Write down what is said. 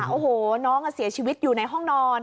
โอ้โหน้องเสียชีวิตอยู่ในห้องนอน